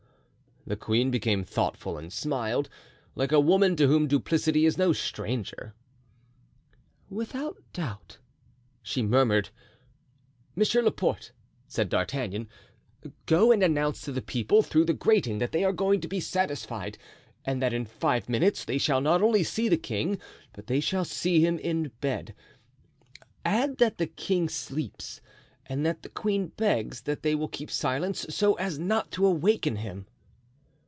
The queen became thoughtful and smiled, like a woman to whom duplicity is no stranger. "Without doubt," she murmured. "Monsieur Laporte," said D'Artagnan, "go and announce to the people through the grating that they are going to be satisfied and that in five minutes they shall not only see the king, but they shall see him in bed; add that the king sleeps and that the queen begs that they will keep silence, so as not to awaken him."